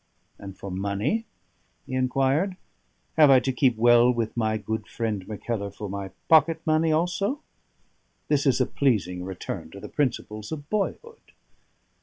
"And for money?" he inquired. "Have I to keep well with my good friend Mackellar for my pocket money also? This is a pleasing return to the principles of boyhood."